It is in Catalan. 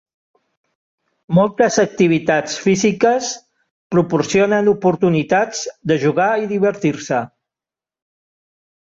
Moltes activitats físiques proporcionen oportunitats de jugar i divertir-se.